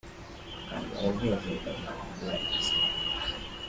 I am only available on Wednesday.